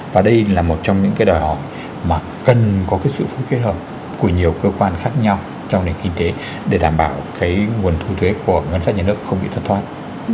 và đây là một trong những cái đòi hỏi mà cần có cái sự phối kết hợp của nhiều cơ quan khác nhau trong nền kinh tế để đảm bảo cái nguồn thu thuế của ngân sách nhà nước không bị thất thoát